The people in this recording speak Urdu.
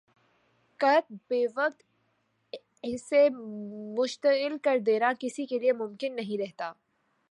قت بے وقت اسے مشتعل کر دینا کسی کے لیے ممکن نہیں رہتا